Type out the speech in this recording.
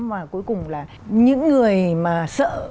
và cuối cùng là những người mà sợ